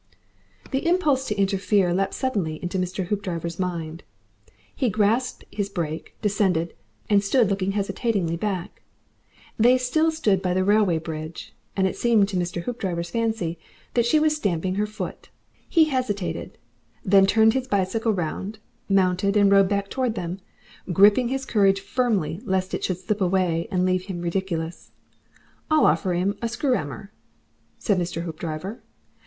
The impulse to interfere leapt suddenly into Mr. Hoopdriver's mind. He grasped his brake, descended, and stood looking hesitatingly back. They still stood by the railway bridge, and it seemed to Mr. Hoopdriver's fancy that she was stamping her foot. He hesitated, then turned his bicycle round, mounted, and rode back towards them, gripping his courage firmly lest it should slip away and leave him ridiculous. "I'll offer 'im a screw 'ammer," said Mr. Hoopdriver.